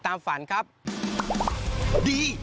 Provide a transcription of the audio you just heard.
ตามฝันครับพุทธดี